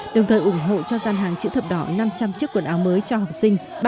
đồng thời ủng hộ cho gian hàng chữ thập đỏ năm trăm linh chiếc quần áo mới cho học sinh